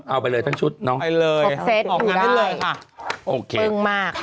เอาไปเลยทั้งชุดเนอะออกงานได้เลยค่ะปึงมากค่ะ